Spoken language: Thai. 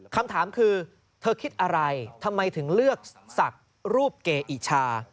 คำถามคือเธอคิดอะไรทำไมถึงเลือกศักดิ์รูปเกอิชา